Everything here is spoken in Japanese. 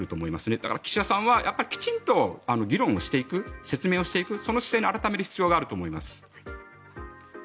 だから、岸田さんはきちんと議論をしていく説明をしていく、その姿勢を改める必要があると思います。